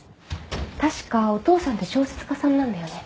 確かお父さんって小説家さんなんだよね？